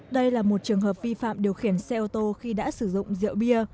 đây là một trường hợp vi phạm điều khiển xe ô tô khi đã sử dụng rượu bia